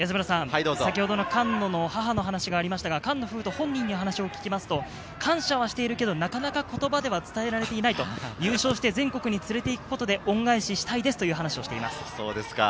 菅野の母の話が出ましたけど、菅野颯人本人に話を聞きますと、感謝はしてるけれど、なかなか言葉では伝えられていない、優勝して全国に連れていくことで恩返ししたいですという話をしています。